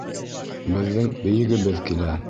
Беҙҙең бейегебеҙ килә.